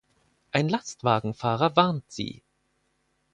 Ein Lastwagenfahrer warnt sie.